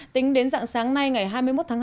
tính đến dạng sáng nay ngày hai mươi một tháng năm